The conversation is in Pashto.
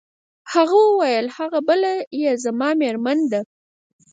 هغه وویل: هغه بله يې بیا زما مېرمن ده.